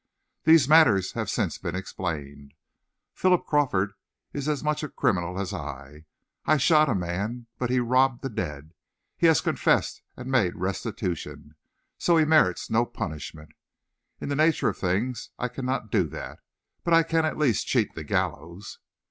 These matters have since been explained. Philip Crawford is as much a criminal as I. I shot a man, but he robbed the dead. He has confessed and made restitution, so he merits no punishment. In the nature of things, I cannot do that, but I can at least cheat the gallows."